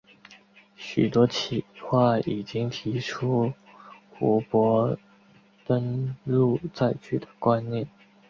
许多企划已经提出湖泊登陆载具的观念。